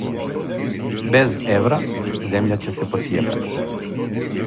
Без еура, земља ће се поцијепати.